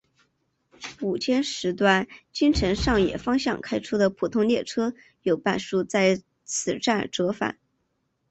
午间时段京成上野方向开出的普通列车有半数在此站折返。